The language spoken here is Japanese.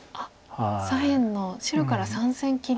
左辺の白から３線切りですか。